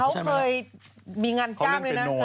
เขาเคยมีงานจ้างด้วยนะ